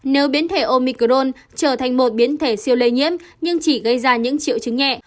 nếu biến thể omicron trở thành một biến thể siêu lây nhiễm nhưng chỉ gây ra những triệu chứng nhẹ